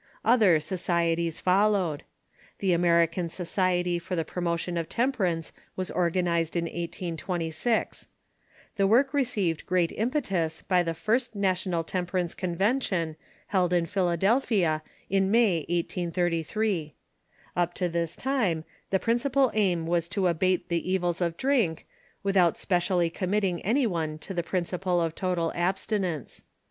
Other societies followed. The American Society for the Promotion of Temperance was organized in 1826. The work received great impetus by the first National Temperance Convention, held in Philadelphia, in May, 1833. Up to this time the principal aim was to abate the evils of drink, without specially committing any one to the principle of total absti nence.